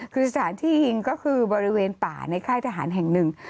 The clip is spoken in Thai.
คือสถานที่ยิงก็คือบริเวณป่าในค่ายทหารแห่งหนึ่ง